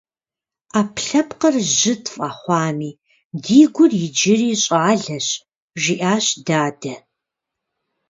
- Ӏэпкълъэпкъыр жьы тфӀэхъуами, ди гур иджыри щӀалэщ, - жиӏащ дадэ.